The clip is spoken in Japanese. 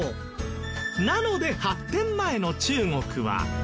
なので発展前の中国は。